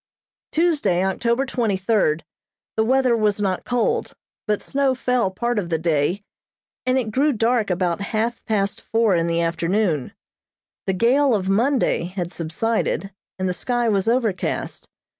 Tuesday, October twenty third, the weather was not cold, but snow fell part of the day, and it grew dark about half past four in the afternoon. The gale of Monday had subsided, and the sky was overcast.